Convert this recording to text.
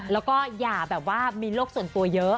แล้วก็อย่ามีโรคส่วนตัวเยอะ